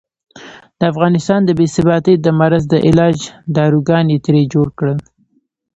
د افغانستان د بې ثباتۍ د مرض د علاج داروګان یې ترې جوړ کړل.